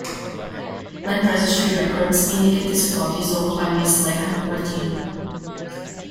Land registry records indicate this plot is owned by Miss Leah Martina.